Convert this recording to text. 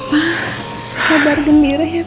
wah kabar gembira ya pak